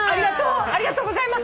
ありがとうございます！